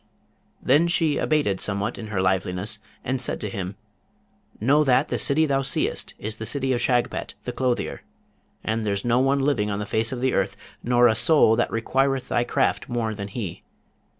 Then she abated somewhat in her liveliness, and said to him, 'Know that the city thou seest is the city of Shagpat, the clothier, and there's no one living on the face of earth, nor a soul that requireth thy craft more than he.